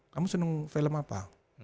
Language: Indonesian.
kamu seneng film apa